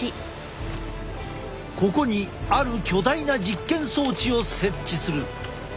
ここにある巨大な実験装置を設置する。